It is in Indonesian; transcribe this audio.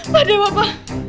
pak dewa pak